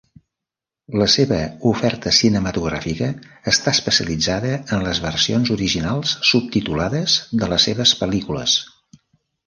La seva oferta cinematogràfica està especialitzada en les versions originals subtitulades de les seves pel·lícules.